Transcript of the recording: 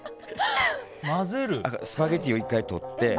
スパゲティを１回とって。